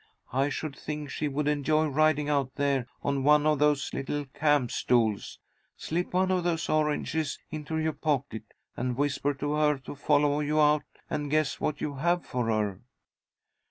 I should think she would enjoy riding out there on one of those little camp stools. Slip one of those oranges into your pocket, and whisper to her to follow you out and guess what you have for her."